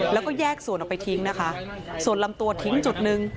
แล้วก็แยกส่วนออกไปทิ้งนะคะส่วนลำตัวทิ้งจุดหนึ่ง